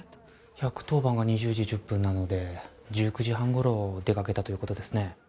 １１０番が２０時１０分なので１９時半頃出かけたという事ですね。